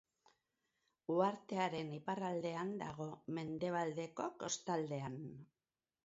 Uhartearen iparraldean dago, mendebaldeko kostaldean.